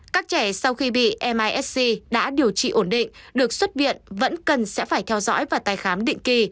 các trẻ sau khi bị misc đã điều trị ổn định được xuất viện vẫn cần sẽ phải theo dõi và tái khám định kỳ